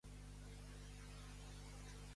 Inicia'm una partideta al "Fortnite".